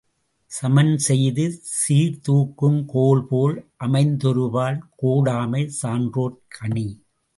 சமன்செய்து சீர்துரக்குங் கோல்போல் அமைந்தொருபால் கோடாமை சான்றோர்க் கணி.